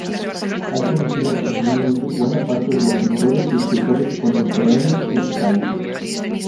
Ha conocido personalmente buena parte de los pintores y escultores contemporáneos de su país.